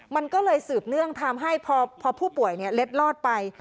มันก็เลยสืบเนื่องทำให้พอผู้ป่วยเล็ดลอดไป